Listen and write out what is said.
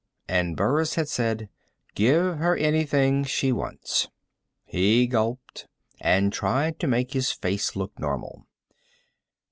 And Burris had said: "Give her anything she wants." He gulped and tried to make his face look normal.